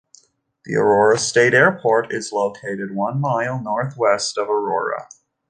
The Aurora State Airport is located one mile northwest of Aurora.